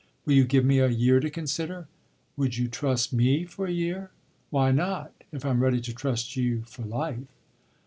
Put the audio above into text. "Will you give me a year to consider?" "Would you trust me for a year?" "Why not, if I'm ready to trust you for life?"